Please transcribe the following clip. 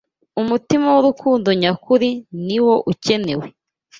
umutima w’urukundo nyakuri niwo ukenewe